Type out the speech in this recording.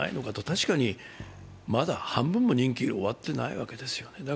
確かに、まだ半分も任期が終わってないわけです